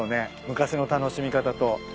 昔の楽しみ方と。